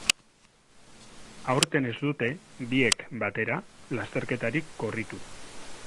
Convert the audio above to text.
Aurten ez dute, biek batera, lasterketarik korritu.